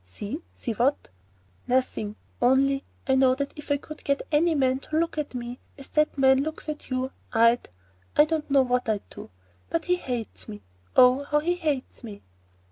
See what?" "Nothing; only, I know that if I could get any man to look at me as that man looks at you, I'd—I don't know what I'd do. But he hates me. Oh, how he hates me!"